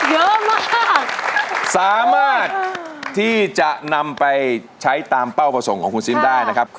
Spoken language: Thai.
เยอะมากสามารถที่จะนำไปใช้ตามเป้าประสงค์ของคุณซิมได้นะครับ